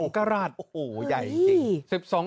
กราชโอ้โหใหญ่จริง